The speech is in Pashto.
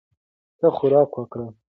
ښه خوراک وکړئ.